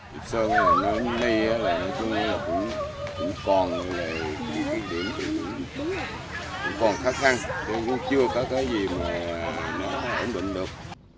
điệp sơn ở đây cũng còn khó khăn cũng chưa có cái gì mà nó ổn định được